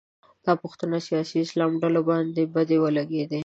دا پوښتنې سیاسي اسلام ډلو باندې بدې ولګېدې